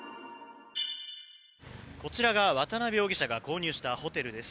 こちらが渡邉容疑者が購入したホテルです。